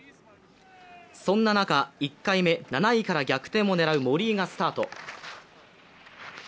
そんな中、１回目７位から逆転を狙う森井がスタート。